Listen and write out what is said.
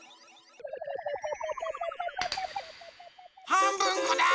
はんぶんこだ！